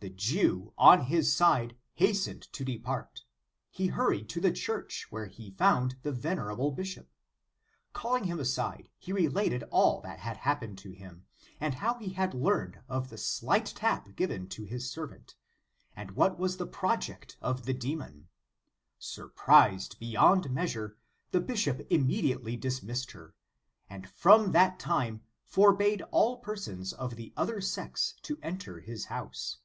"The Jew, on his side, hastened to depart. He hurried to the church, where he found the venerable bishop. Calling him aside, he related all that had happened to him, and how he had learned of the slight tap given to his servant, and what was the project of the demon. Surprised beyond measure, the bishop immediately dismissed her, and from that time forbade all persons of the other sex to enter his house.